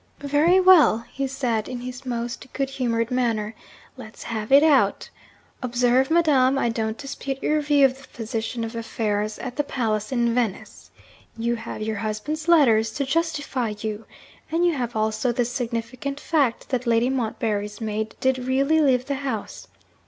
'Very well,' he said, in his most good humoured manner. 'Let's have it out. Observe, madam, I don't dispute your view of the position of affairs at the palace in Venice. You have your husband's letters to justify you; and you have also the significant fact that Lady Montbarry's maid did really leave the house.